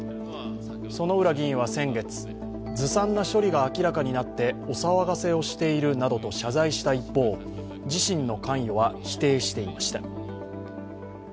薗浦議員は先月、ずさんな処理が明らかになってお騒がせをしているなどと謝罪した一方、自身の関与は否定していました。